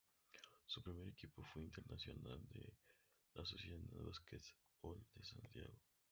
Su primer equipo fue el Internacional de la Asociación de Básquetbol de Santiago.